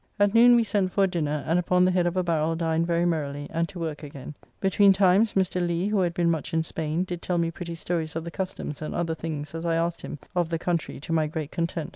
At noon we sent for a dinner, and upon the head of a barrel dined very merrily, and to work again. Between times, Mr. Lee, who had been much in Spain, did tell me pretty stories of the customs and other things, as I asked him, of the country, to my great content.